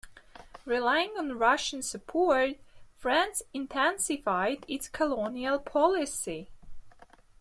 Relying on Russian support, France intensified its colonial policy.